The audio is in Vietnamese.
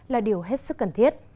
là điều hết sức cần thiết